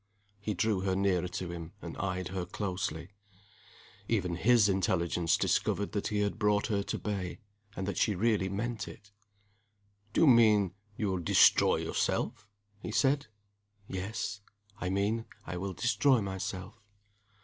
He drew her nearer to him, and eyed her closely. Even his intelligence discovered that he had brought her to bay, and that she really meant it! "Do you mean you will destroy yourself?" he said. "Yes. I mean I will destroy myself."